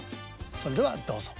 それではどうぞ。